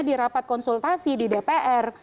di rapat konsultasi di dpr